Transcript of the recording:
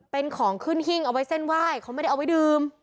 เป็นของขึ้นหิ้งเอาไว้เส้นไหว้เขาไม่ได้เอาไว้ดื่ม